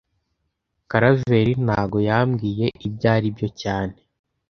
Karaveri ntago yambwiye ibyo aribyo cyane